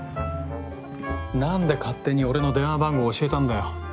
なんで勝手に俺の電話番号教えたんだよ。